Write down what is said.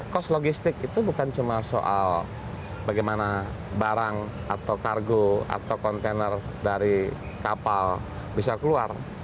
cost logistik itu bukan cuma soal bagaimana barang atau kargo atau kontainer dari kapal bisa keluar